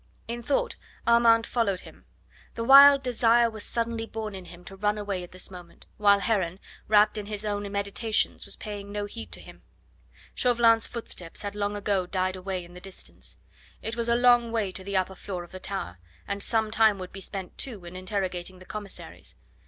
In thought Armand followed him. The wild desire was suddenly born in him to run away at this moment, while Heron, wrapped in his own meditations, was paying no heed to him. Chauvelin's footsteps had long ago died away in the distance; it was a long way to the upper floor of the Tower, and some time would be spent, too, in interrogating the commissaries.